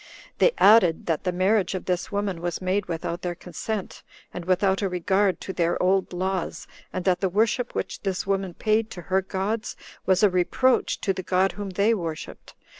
They added, that the marriage of this woman was made without their consent, and without a regard to their old laws; and that the worship which this woman paid [to her gods] was a reproach to the God whom they worshipped.